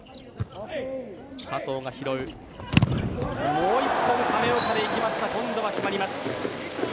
もう１本、亀岡でいきました今度は決まります。